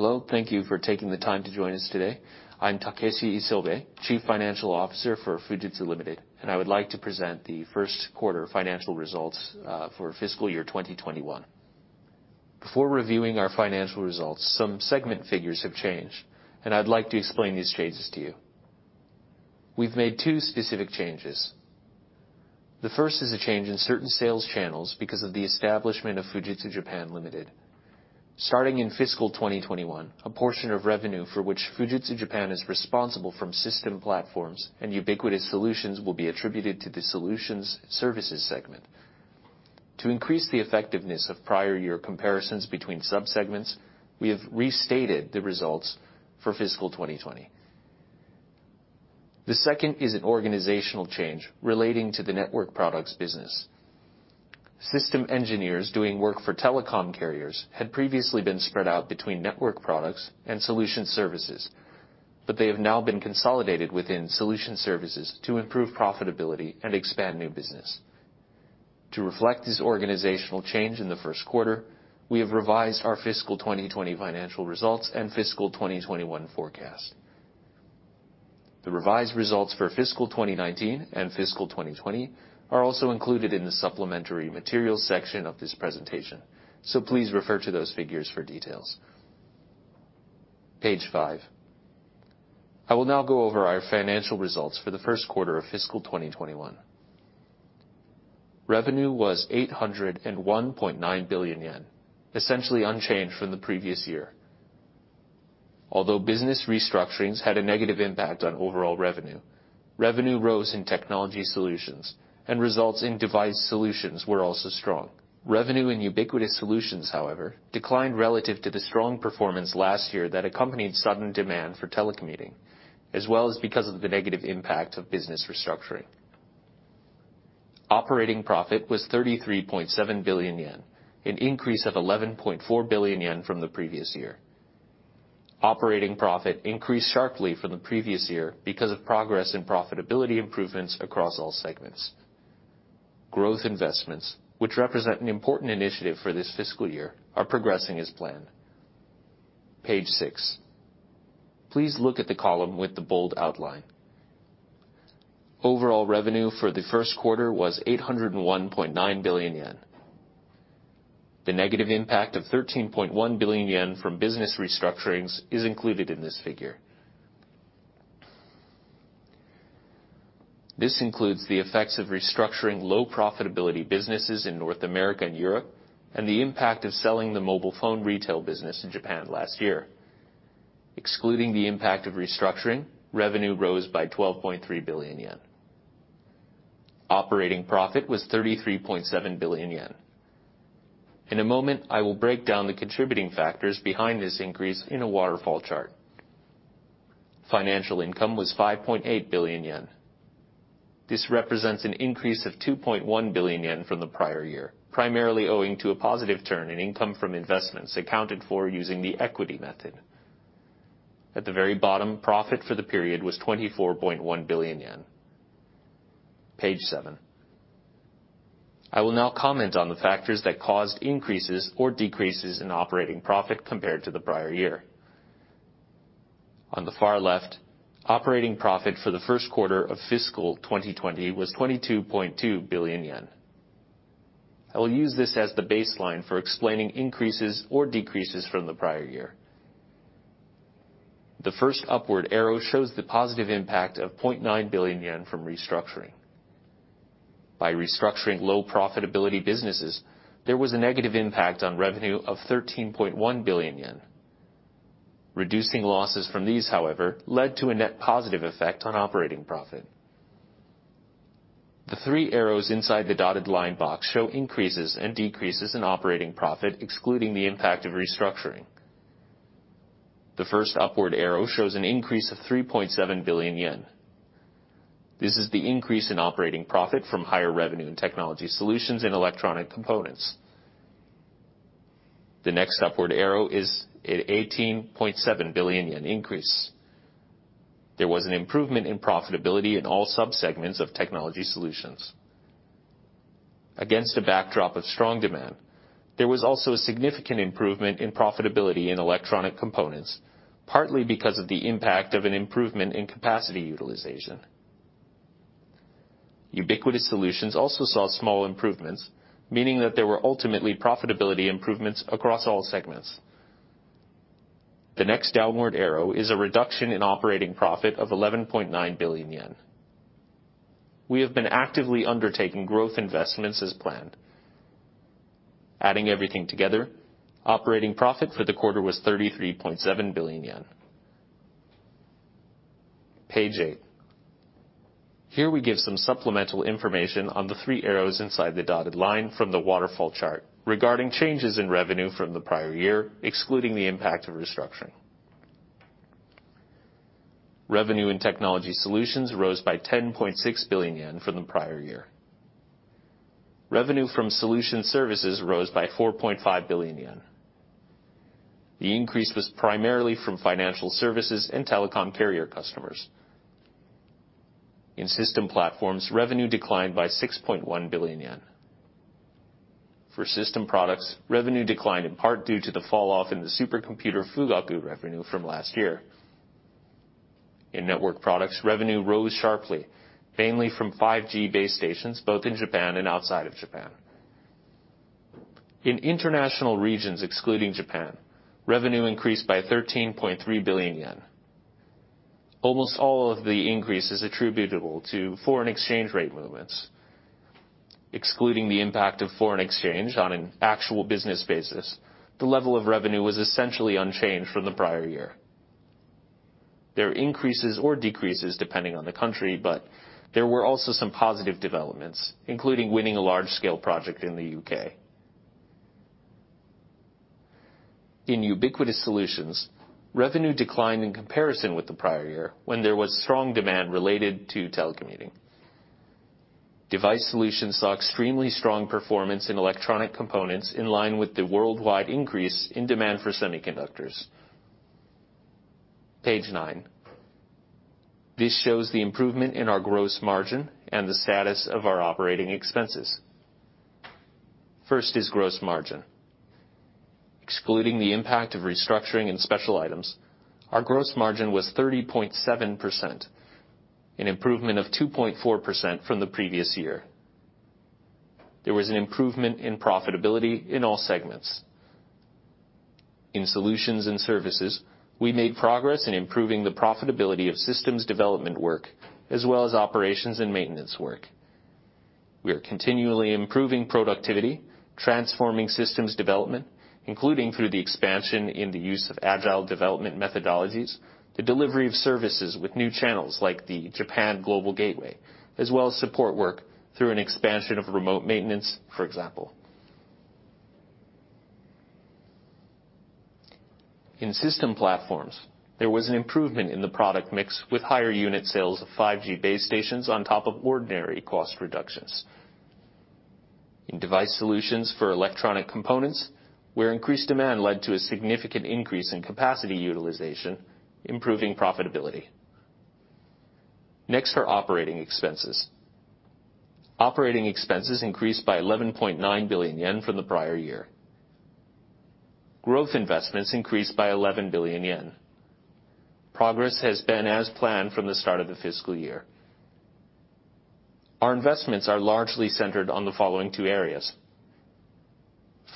Hello. Thank you for taking the time to join us today. I'm Takeshi Isobe, Chief Financial Officer for Fujitsu Limited, I would like to present the first quarter financial results for fiscal year 2021. Before reviewing our financial results, some segment figures have changed, I'd like to explain these changes to you. We've made two specific changes. The first is a change in certain sales channels because of the establishment of Fujitsu Japan Ltd.. Starting in fiscal 2021, a portion of revenue for which Fujitsu Japan is responsible for from System Platforms and Ubiquitous Solutions will be attributed to the Solutions/Services segment. To increase the effectiveness of prior year comparisons between sub-segments, we have restated the results for fiscal 2020. The second is an organizational change relating to the Network Products business. System engineers doing work for telecom carriers had previously been spread out between Network Products and Solutions/Services, They have now been consolidated within Solutions/Services to improve profitability and expand new business. To reflect this organizational change in the first quarter, we have revised our fiscal 2020 financial results and fiscal 2021 forecast. The revised results for fiscal 2019 and fiscal 2020 are also included in the supplementary materials section of this presentation. Please refer to those figures for details. Page five. I will now go over our financial results for the first quarter of fiscal 2021. Revenue was 801.9 billion yen, essentially unchanged from the previous year. Business restructurings had a negative impact on overall revenue rose in Technology Solutions and results in Device Solutions were also strong. Revenue and Ubiquitous Solutions, however, declined relative to the strong performance last year that accompanied sudden demand for telecommuting, as well as because of the negative impact of business restructuring. Operating profit was 33.7 billion yen, an increase of 11.4 billion yen from the previous year. Operating profit increased sharply from the previous year because of progress in profitability improvements across all segments. Growth investments, which represent an important initiative for this fiscal year, are progressing as planned. Page six. Please look at the column with the bold outline. Overall revenue for the first quarter was 801.9 billion yen. The negative impact of 13.1 billion yen from business restructurings is included in this figure. This includes the effects of restructuring low profitability businesses in North America and Europe, and the impact of selling the mobile phone retail business in Japan last year. Excluding the impact of restructuring, revenue rose by 12.3 billion yen. Operating profit was 33.7 billion yen. In a moment, I will break down the contributing factors behind this increase in a waterfall chart. Financial income was 5.8 billion yen. This represents an increase of 2.1 billion yen from the prior year, primarily owing to a positive turn in income from investments accounted for using the equity method. At the very bottom, profit for the period was 24.1 billion yen. Page seven. I will now comment on the factors that caused increases or decreases in operating profit compared to the prior year. On the far left, operating profit for the first quarter of fiscal 2020 was 22.2 billion yen. I will use this as the baseline for explaining increases or decreases from the prior year. The first upward arrow shows the positive impact of 0.9 billion yen from restructuring. By restructuring low profitability businesses, there was a negative impact on revenue of 13.1 billion yen. Reducing losses from these, however, led to a net positive effect on operating profit. The three arrows inside the dotted line box show increases and decreases in operating profit, excluding the impact of restructuring. The first upward arrow shows an increase of 3.7 billion yen. This is the increase in operating profit from higher revenue in Technology Solutions in electronic components. The next upward arrow is at 18.7 billion yen increase. There was an improvement in profitability in all sub-segments of Technology Solutions. Against a backdrop of strong demand, there was also a significant improvement in profitability in electronic components, partly because of the impact of an improvement in capacity utilization. Ubiquitous Solutions also saw small improvements, meaning that there were ultimately profitability improvements across all segments. The next downward arrow is a reduction in operating profit of 11.9 billion yen. We have been actively undertaking growth investments as planned. Adding everything together, operating profit for the quarter was 33.7 billion yen. Page eight. Here we give some supplemental information on the three arrows inside the dotted line from the waterfall chart regarding changes in revenue from the prior year, excluding the impact of restructuring. Revenue in Technology Solutions rose by 10.6 billion yen from the prior year. Revenue from Solutions/Services rose by 4.5 billion yen. The increase was primarily from financial services and telecom carrier customers. In System Platforms, revenue declined by 6.1 billion yen. For System Products, revenue declined in part due to the falloff in the supercomputer Fugaku revenue from last year. In Network Products, revenue rose sharply, mainly from 5G base stations, both in Japan and outside of Japan. In international regions excluding Japan, revenue increased by 13.3 billion yen. Almost all of the increase is attributable to foreign exchange rate movements. Excluding the impact of foreign exchange on an actual business basis, the level of revenue was essentially unchanged from the prior year. There are increases or decreases depending on the country, but there were also some positive developments, including winning a large-scale project in the U.K. In Ubiquitous Solutions, revenue declined in comparison with the prior year when there was strong demand related to telecommuting. Device Solutions saw extremely strong performance in electronic components in line with the worldwide increase in demand for semiconductors. Page nine. This shows the improvement in our gross margin and the status of our operating expenses. First is gross margin. Excluding the impact of restructuring and special items, our gross margin was 30.7%, an improvement of 2.4% from the previous year. There was an improvement in profitability in all segments. In solutions and services, we made progress in improving the profitability of systems development work, as well as operations and maintenance work. We are continually improving productivity, transforming systems development, including through the expansion in the use of agile development methodologies, the delivery of services with new channels like the Japan Global Gateway, as well as support work through an expansion of remote maintenance, for example. In System Platforms, there was an improvement in the product mix with higher unit sales of 5G base stations on top of ordinary cost reductions. In Device Solutions for electronic components, where increased demand led to a significant increase in capacity utilization, improving profitability. Next are operating expenses. Operating expenses increased by 11.9 billion yen from the prior year. Growth investments increased by 11 billion yen. Progress has been as planned from the start of the fiscal year. Our investments are largely centered on the following two areas.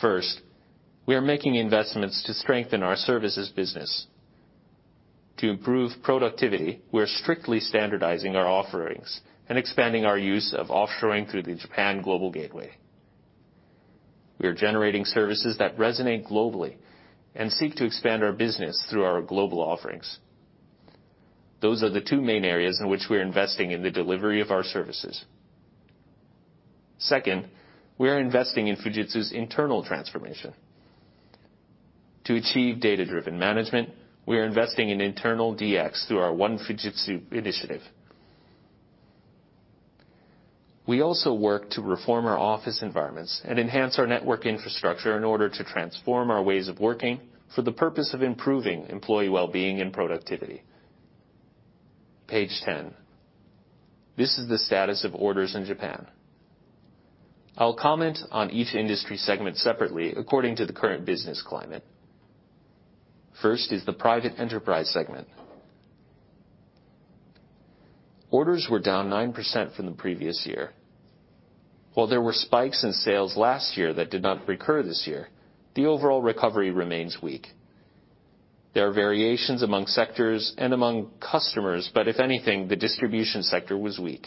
First, we are making investments to strengthen our services business. To improve productivity, we are strictly standardizing our offerings and expanding our use of offshoring through the Japan Global Gateway. We are generating services that resonate globally and seek to expand our business through our global offerings. Those are the two main areas in which we are investing in the delivery of our services. Second, we are investing in Fujitsu's internal transformation. To achieve data-driven management, we are investing in internal DX through our One Fujitsu initiative. We also work to reform our office environments and enhance our network infrastructure in order to transform our ways of working for the purpose of improving employee wellbeing and productivity. Page 10. This is the status of orders in Japan. I'll comment on each industry segment separately according to the current business climate. First is the private enterprise segment. Orders were down 9% from the previous year. While there were spikes in sales last year that did not recur this year, the overall recovery remains weak. There are variations among sectors and among customers, but if anything, the distribution sector was weak.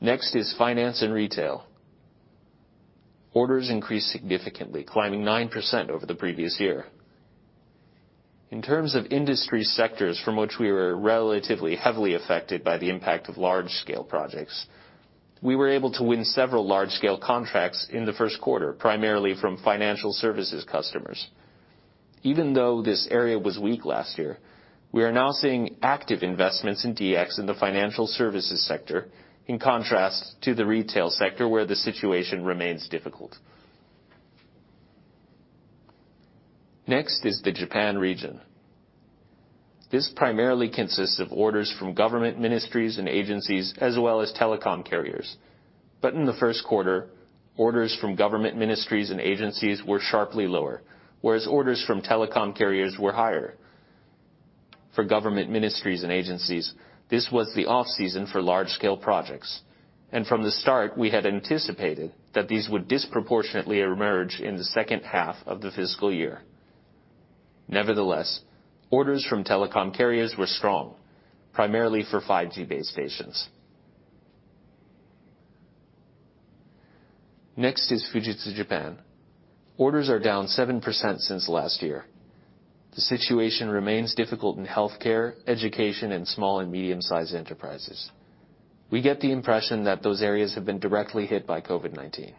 Next is finance and retail. Orders increased significantly, climbing 9% over the previous year. In terms of industry sectors from which we were relatively heavily affected by the impact of large-scale projects, we were able to win several large-scale contracts in the first quarter, primarily from financial services customers. Even though this area was weak last year, we are now seeing active investments in DX in the financial services sector, in contrast to the retail sector where the situation remains difficult. Next is the Japan region. This primarily consists of orders from government ministries and agencies, as well as telecom carriers. In the first quarter, orders from government ministries and agencies were sharply lower, whereas orders from telecom carriers were higher. For government ministries and agencies, this was the off-season for large-scale projects, and from the start, we had anticipated that these would disproportionately emerge in the second half of the fiscal year. Orders from telecom carriers were strong, primarily for 5G base stations. Next is Fujitsu Japan. Orders are down 7% since last year. The situation remains difficult in healthcare, education, and small and medium-sized enterprises. We get the impression that those areas have been directly hit by COVID-19.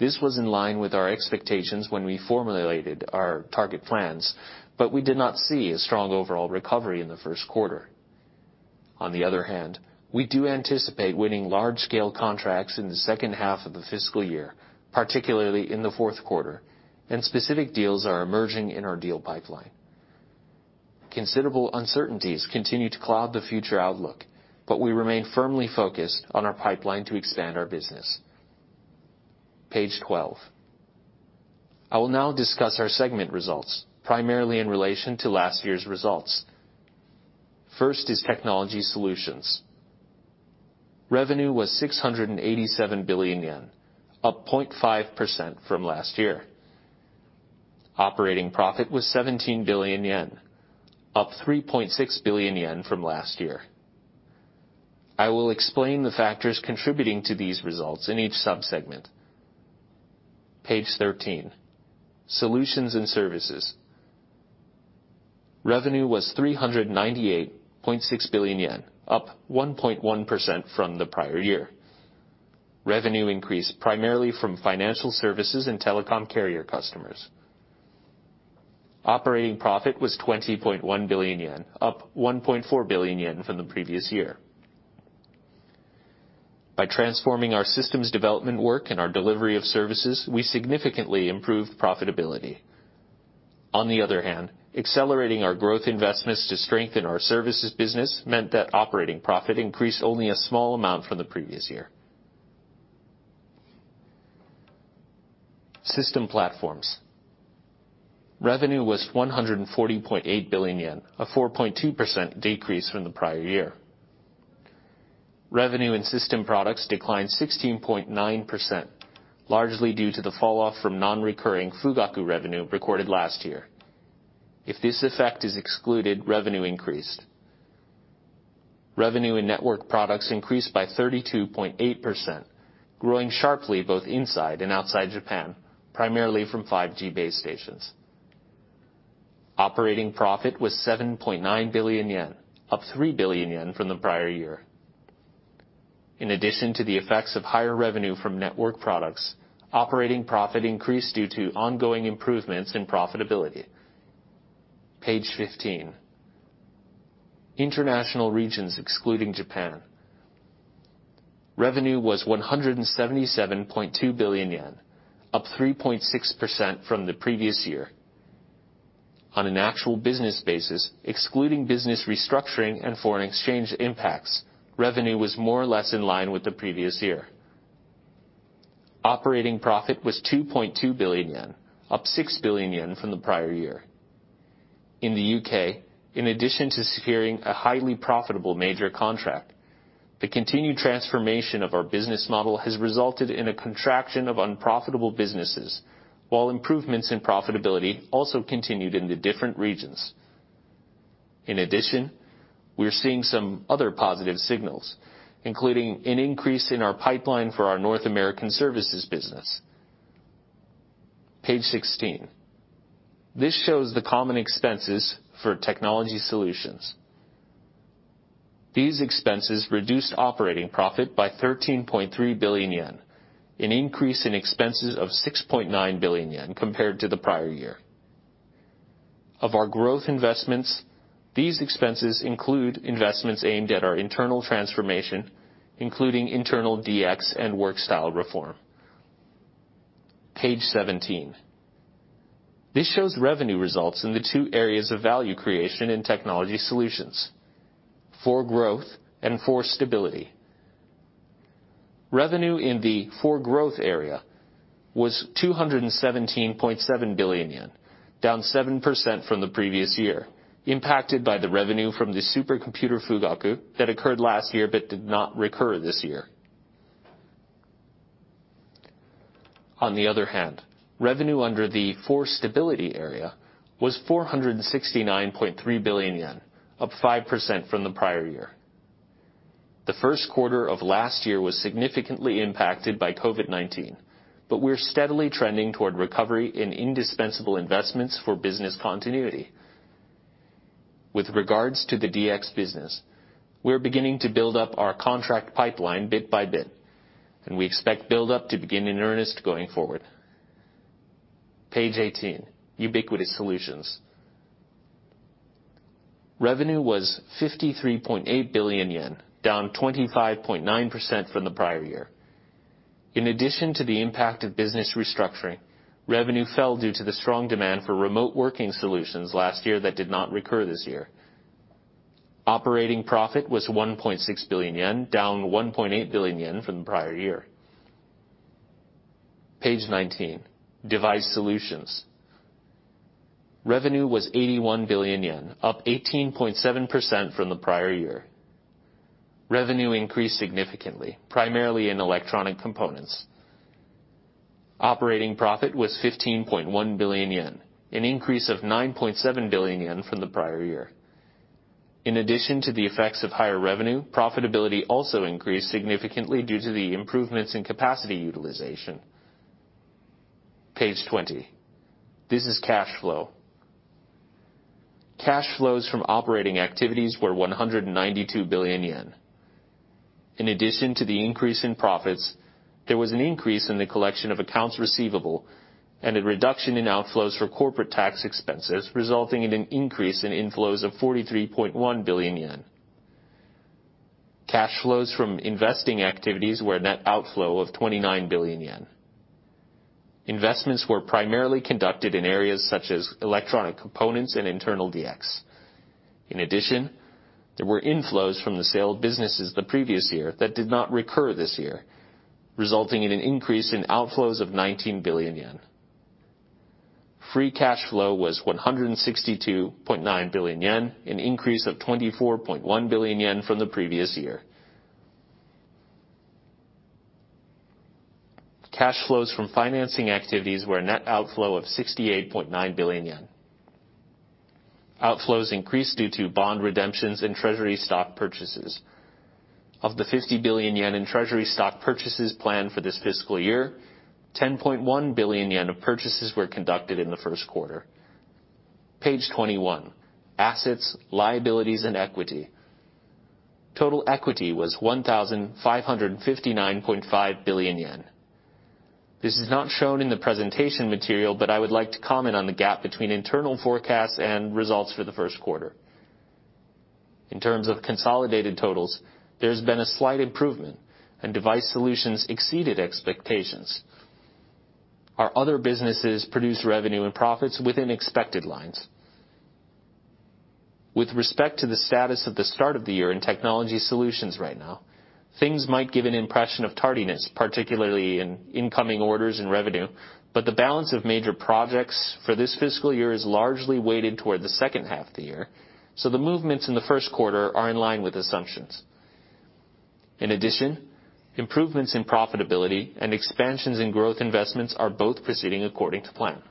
This was in line with our expectations when we formulated our target plans, but we did not see a strong overall recovery in the first quarter. We do anticipate winning large-scale contracts in the second half of the fiscal year, particularly in the fourth quarter, and specific deals are emerging in our deal pipeline. Considerable uncertainties continue to cloud the future outlook, but we remain firmly focused on our pipeline to expand our business. Page 12. I will now discuss our segment results, primarily in relation to last year's results. First is Technology Solutions. Revenue was 687 billion yen, up 0.5% from last year. Operating profit was 17 billion yen, up 3.6 billion yen from last year. I will explain the factors contributing to these results in each sub-segment. Page 13, Solutions/Services. Revenue was 398.6 billion yen, up 1.1% from the prior year. Revenue increased primarily from financial services and telecom carrier customers. Operating profit was 20.1 billion yen, up 1.4 billion yen from the previous year. By transforming our systems development work and our delivery of services, we significantly improved profitability. On the other hand, accelerating our growth investments to strengthen our services business meant that operating profit increased only a small amount from the previous year. System Platforms. Revenue was 114.8 billion yen, a 4.2% decrease from the prior year. Revenue in System Products declined 16.9%, largely due to the falloff from non-recurring Fugaku revenue recorded last year. If this effect is excluded, revenue increased. Revenue in Network Products increased by 32.8%, growing sharply both inside and outside Japan, primarily from 5G base stations. Operating profit was 7.9 billion yen, up 3 billion yen from the prior year. In addition to the effects of higher revenue from Network Products, operating profit increased due to ongoing improvements in profitability. Page 15, international regions excluding Japan. Revenue was 177.2 billion yen, up 3.6% from the previous year. On an actual business basis, excluding business restructuring and foreign exchange impacts, revenue was more or less in line with the previous year. Operating profit was 2.2 billion yen, up 6 billion yen from the prior year. In the U.K., in addition to securing a highly profitable major contract, the continued transformation of our business model has resulted in a contraction of unprofitable businesses, while improvements in profitability also continued in the different regions. In addition, we are seeing some other positive signals, including an increase in our pipeline for our North American services business. Page 16. This shows the common expenses for Technology Solutions. These expenses reduced operating profit by 13.3 billion yen, an increase in expenses of 6.9 billion yen compared to the prior year. Of our growth investments, these expenses include investments aimed at our internal transformation, including internal DX and work style reform. Page 17. This shows revenue results in the two areas of value creation and Technology Solutions, for growth and for stability. Revenue in the for growth area was 217.7 billion yen, down 7% from the previous year, impacted by the revenue from the supercomputer Fugaku that occurred last year but did not recur this year. On the other hand, revenue under the for stability area was 469.3 billion yen, up 5% from the prior year. The first quarter of last year was significantly impacted by COVID-19, but we are steadily trending toward recovery in indispensable investments for business continuity. With regards to the DX business, we are beginning to build up our contract pipeline bit by bit, and we expect buildup to begin in earnest going forward. Page 18, Ubiquitous Solutions. Revenue was 53.8 billion yen, down 25.9% from the prior year. In addition to the impact of business restructuring, revenue fell due to the strong demand for remote working solutions last year that did not recur this year. Operating profit was 1.6 billion yen, down 1.8 billion yen from the prior year. Page 19, Device Solutions. Revenue was 81 billion yen, up 18.7% from the prior year. Revenue increased significantly, primarily in electronic components. Operating profit was 15.1 billion yen, an increase of 9.7 billion yen from the prior year. In addition to the effects of higher revenue, profitability also increased significantly due to the improvements in capacity utilization. Page 20. This is cash flow. Cash flows from operating activities were 192 billion yen. In addition to the increase in profits, there was an increase in the collection of accounts receivable and a reduction in outflows for corporate tax expenses, resulting in an increase in inflows of 43.1 billion yen. Cash flows from investing activities were a net outflow of 29 billion yen. Investments were primarily conducted in areas such as electronic components and internal DX. In addition, there were inflows from the sale of businesses the previous year that did not recur this year, resulting in an increase in outflows of 19 billion yen. Free cash flow was 162.9 billion yen, an increase of 24.1 billion yen from the previous year. Cash flows from financing activities were a net outflow of 68.9 billion yen. Outflows increased due to bond redemptions and treasury stock purchases. Of the 50 billion yen in treasury stock purchases planned for this fiscal year, 10.1 billion yen of purchases were conducted in the first quarter. Page 21, assets, liabilities, and equity. Total equity was 1,559.5 billion yen. This is not shown in the presentation material, but I would like to comment on the gap between internal forecasts and results for the first quarter. In terms of consolidated totals, there has been a slight improvement, and Device Solutions exceeded expectations. Our other businesses produced revenue and profits within expected lines. With respect to the status at the start of the year in Technology Solutions right now, things might give an impression of tardiness, particularly in incoming orders and revenue, but the balance of major projects for this fiscal year is largely weighted toward the second half of the year, so the movements in the first quarter are in line with assumptions. In addition, improvements in profitability and expansions in growth investments are both proceeding according to plan.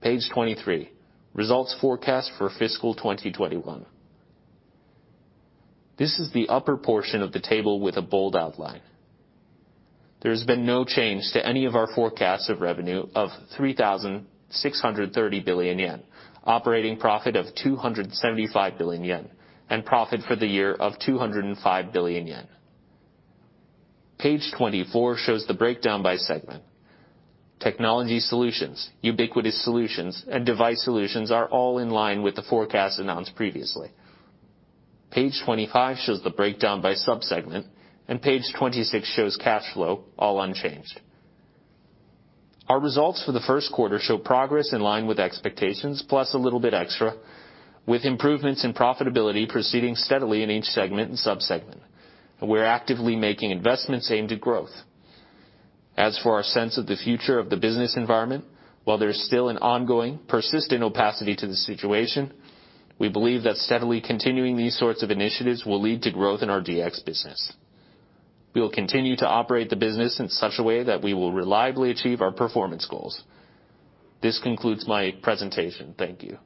Page 23, results forecast for fiscal 2021. This is the upper portion of the table with a bold outline. There has been no change to any of our forecasts of revenue of 3,630 billion yen, operating profit of 275 billion yen, and profit for the year of 205 billion yen. Page 24 shows the breakdown by segment. Technology Solutions, Ubiquitous Solutions, and Device Solutions are all in line with the forecast announced previously. Page 25 shows the breakdown by sub-segment, and Page 26 shows cash flow, all unchanged. Our results for the first quarter show progress in line with expectations, plus a little bit extra, with improvements in profitability proceeding steadily in each segment and sub-segment. We are actively making investments aimed at growth. As for our sense of the future of the business environment, while there is still an ongoing persistent opacity to the situation, we believe that steadily continuing these sorts of initiatives will lead to growth in our DX business. We will continue to operate the business in such a way that we will reliably achieve our performance goals. This concludes my presentation. Thank you.